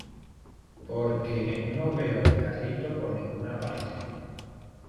porque no veo el carrito por ninguna parte.